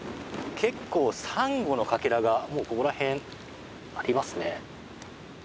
結構サンゴのかけらがここら辺ありますね。